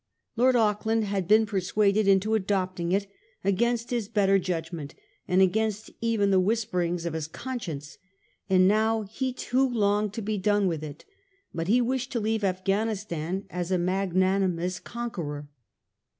Lord Auckland had been persuaded into adopting it against Ms better judgment, and against even the wMsperings of Ms conscience ; and now he too longed to be done with it; but he wished to leave Afghanistan as a mag nanimous conqueror.